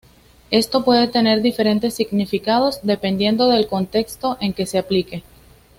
Esto puede tener diferentes significados, dependiendo del contexto en que se aplique.